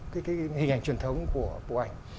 cái hình ảnh truyền thống của bộ ảnh